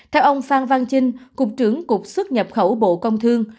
theo ông phan văn chinh cục trưởng cục xuất nhập khẩu bộ công thương